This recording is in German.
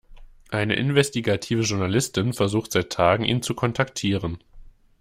Eine investigative Journalistin versucht seit Tagen, ihn zu kontaktieren.